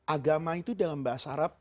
agama itu dalam bahasa arab